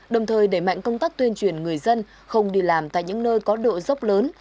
đồng thời đẩy mạnh công tác tuyên truyền người dân không đi làm tại những nơi có độ dốc lớn